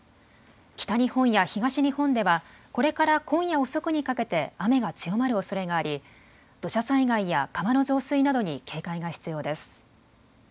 北日本や東日本ではこれから今夜遅くにかけて雨が強まるおそれがあり土砂災害や川の増水などに警戒が必要です。